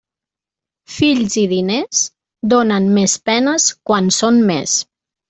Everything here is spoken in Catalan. Fills i diners, donen més penes quan són més.